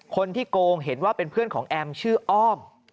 โกงเห็นว่าเป็นเพื่อนของแอมชื่ออ้อม